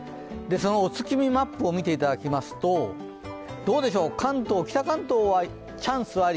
お月見マップを見ていただきますと、関東、北関東は、チャンスあり。